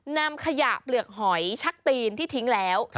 นำขยะเปลือกหอยชักตีนที่ทิ้งแล้ว